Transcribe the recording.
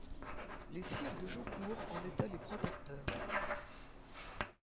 Les sires de Jaucourt en étaient les protecteurs.